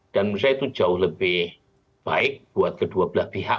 dan menurut saya itu jauh lebih baik buat kedua belah pihak